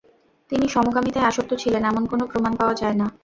তিনি সমকামিতায় আসক্ত ছিলেন, এমন কোন প্রমাণ পাওয়া যায় না।